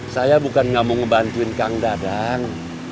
saya bukan nggak mau ngebantuin kang dadang